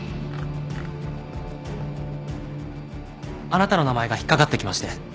あなたの名前が引っ掛かってきまして。